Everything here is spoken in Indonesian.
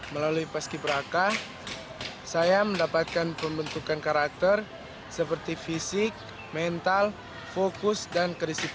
melalui paski beraka saya mendapatkan pembentukan karakter seperti fisik mental fokus dan krisis